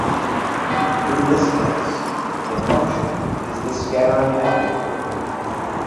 In this case, the function is the scattering amplitude.